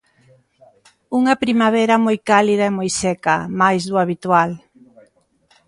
Unha primavera moi cálida e moi seca, máis do habitual.